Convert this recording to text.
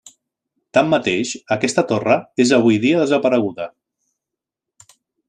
Tanmateix, aquesta torre és avui dia desapareguda.